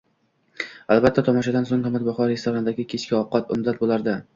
Albatta, tomoshadan so'ng qimmatbaho restorandagi kechki ovqat undan bo'lardi